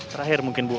terakhir mungkin bu